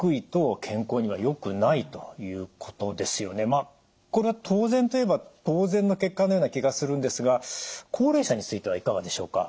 まあこれは当然といえば当然の結果なような気がするんですが高齢者についてはいかがでしょうか？